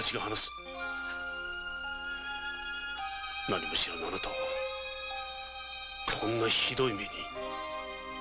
何も知らないあなたをこんなひどいめに。